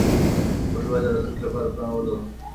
موږ بايد د راتلونکي لپاره پلان ولرو.